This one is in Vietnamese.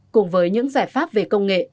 cùng với những giải pháp về công nghệ